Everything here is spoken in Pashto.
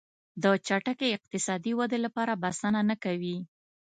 د چټکې اقتصادي ودې لپاره بسنه نه کوي.